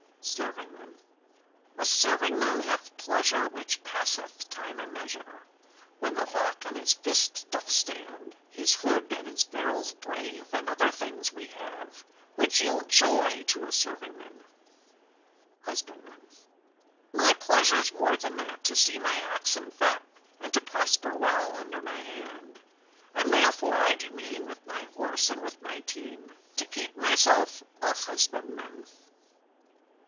SERVINGMAN. A servingman hath pleasure, which passeth time and measure, When the hawk on his fist doth stand; His hood, and his verrils brave, and other things, we have, Which yield joy to a servingman. HUSBANDMAN. My pleasureâs more than that to see my oxen fat, And to prosper well under my hand; And therefore I do mean, with my horse, and with my team, To keep myself a husbandman.